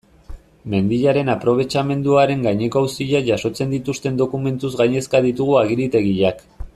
Mendiaren aprobetxamenduaren gaineko auziak jasotzen dituzten dokumentuz gainezka ditugu agiritegiak.